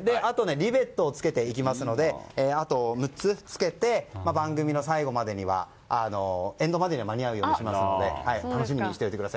リベットをつけていきますのであと６つつけて番組の最後までには間に合うようにしますので楽しみにしておいてください。